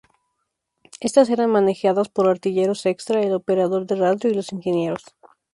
Estas eran manejadas por los artilleros extra, el operador de radio y los ingenieros.